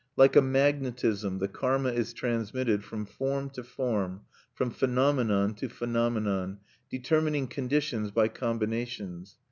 Like a magnetism, the karma is transmitted from form to form, from phenomenon to phenomenon, determining conditions by combinations.